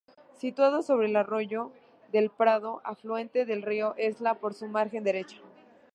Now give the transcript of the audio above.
Situado sobre el arroyo del Prado, afluente del río Esla por su margen derecha.